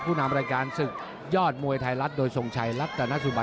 นำรายการศึกยอดมวยไทยรัฐโดยทรงชัยรัตนสุบัน